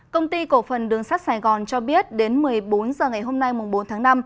công ty cổ phần đường sắt sài gòn cho biết đến một mươi bốn h ngày hôm nay bốn tháng năm